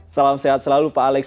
salam sehat selalu pak alex